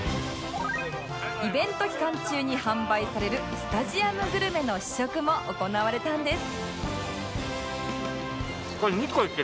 イベント期間中に販売されるスタジアムグルメの試食も行われたんです